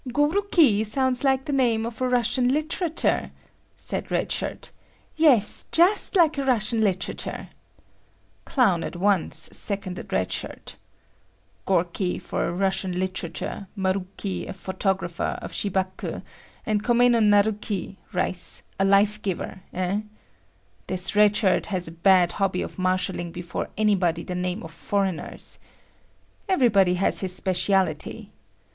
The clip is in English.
"Goruki sounds like the name of a Russian literator," said Red Shirt. "Yes, just like a Russian literator," Clown at once seconded Red Shirt. Gorky for a Russian literator, Maruki a photographer of Shibaku, and komeno naruki (rice) a life giver, eh? This Red Shirt has a bad hobby of marshalling before anybody the name of foreigners. Everybody has his specialty.